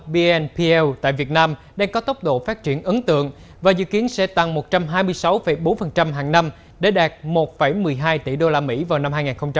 vnp tại việt nam đang có tốc độ phát triển ấn tượng và dự kiến sẽ tăng một trăm hai mươi sáu bốn hàng năm để đạt một một mươi hai tỷ usd vào năm hai nghìn hai mươi